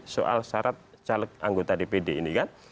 soal syarat caleg anggota dpd ini kan